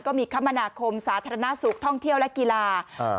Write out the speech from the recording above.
ก็มีคมนาคมสาธารณสุขท่องเที่ยวและกีฬา